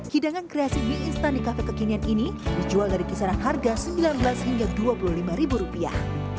hidangan kreasi mie instan di kafe kekinian ini dijual dari kisaran harga sembilan belas hingga dua puluh lima ribu rupiah